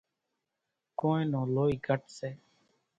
ڪونئين نون لوئي گھٽ سي۔